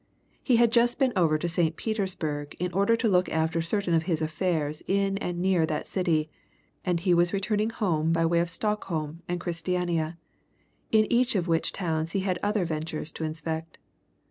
He had just been over to St. Petersburg in order to look after certain of his affairs in and near that city, and he was returning home by way of Stockholm and Christiania, in each of which towns he had other ventures to inspect.